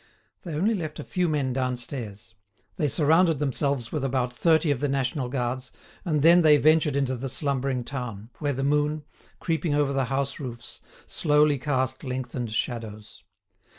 They only left a few men downstairs; they surrounded themselves with about thirty of the national guards, and then they ventured into the slumbering town, where the moon, creeping over the house roofs, slowly cast lengthened shadows.